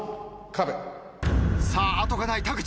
さあ後がない田口。